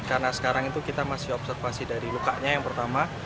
karena sekarang itu kita masih observasi dari lukanya yang pertama